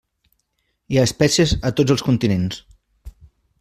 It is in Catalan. Hi ha espècies a tots els continents.